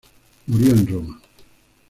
Murió en Roma.